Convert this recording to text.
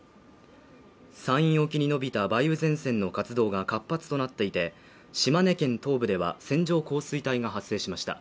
山陰沖に伸びた梅雨前線の活動が活発となっていて、島根県東部では、線状降水帯が発生しました。